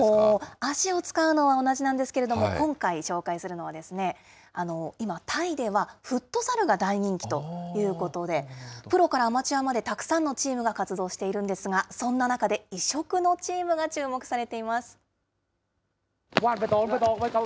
足を使うのは同じなんですけれども、今回紹介するのは、今、タイではフットサルが大人気ということで、プロからアマチュアまでたくさんのチームが活動しているんですが、そんな中で、異色のチームが注目されています。